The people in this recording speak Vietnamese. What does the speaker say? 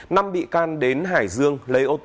năm bị can đến hải dương